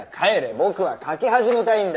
僕は描き始めたいんだ。